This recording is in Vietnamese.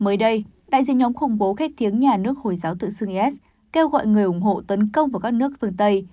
mới đây đại diện nhóm khủng bố khép tiếng nhà nước hồi giáo tự xưng is kêu gọi người ủng hộ tấn công vào các nước phương tây